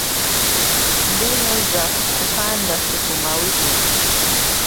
Mbinu za Kupanda sukuma wiki